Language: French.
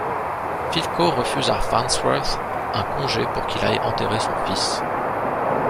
Philco refuse à Farnsworth un congé pour qu'il aille enterrer son fils.